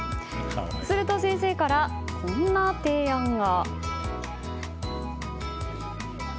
すると先生から、こんな提案が。